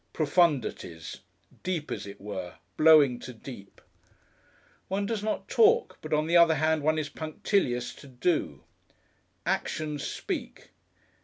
Profundities. Deep as it were, blowing to deep. One does not talk, but on the other hand one is punctilious to do. Actions speak.